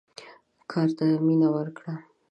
کار ته مینه ورکړه.